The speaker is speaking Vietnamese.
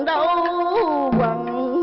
đâu quầng lòng